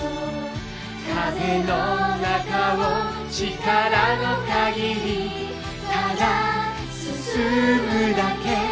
「風の中を力の限りただ進むだけ」